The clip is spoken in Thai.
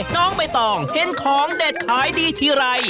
น้องใบตองเห็นของเด็ดขายดีทีไร